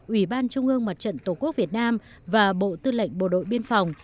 ủy ban trung ương mặt trận tổ quốc việt nam và bộ tư lệnh bộ đội biên phòng